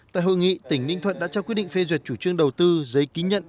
tại hội nghị tỉnh ninh thuận đã trao quyết định phê duyệt chủ trương đầu tư giấy ký nhận